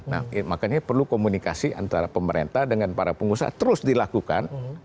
nah makanya perlu komunikasi antara pemerintah dengan para pengusaha terus dilakukan